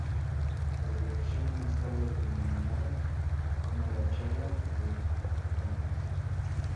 La dirección, más tarde denominada como la charla de damas.